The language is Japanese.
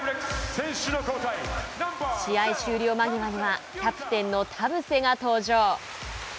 試合終了間際にはキャプテンの田臥が登場。